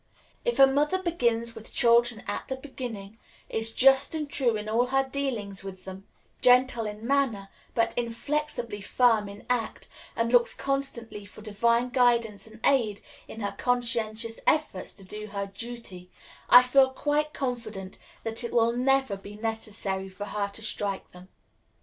If a mother begins with children at the beginning, is just and true in all her dealings with them, gentle in manner, but inflexibly firm in act, and looks constantly for Divine guidance and aid in her conscientious efforts to do her duty, I feel quite confident that it will never be necessary for her to strike them.